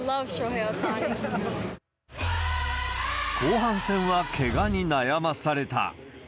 後半戦はけがに悩まされた。